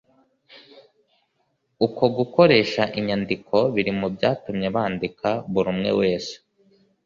uko gukoresha inyandiko biri mu byatumye bandika buri umwe wese